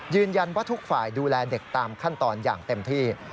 ทุกฝ่ายดูแลเด็กตามขั้นตอนอย่างเต็มที่